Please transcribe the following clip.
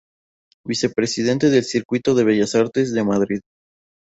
Vicepresidente del Círculo de Bellas Artes de Madrid.